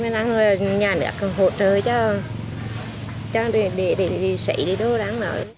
nhà này cũng hộ trợ cho để xay đi đâu đáng nói